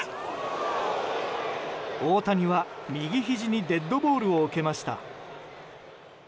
大谷は、右ひじにデッドボールを受けました。